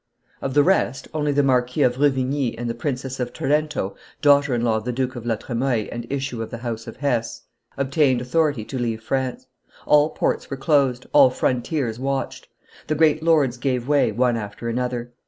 Of the rest, only the Marquis of Ruvigny and the Princess of Tarento, daughter in law of the Duke of La Tremoille and issue of the house of Hesse, obtained authority to leave France. All ports were closed, all frontiers watched. The great lords gave way, one after another.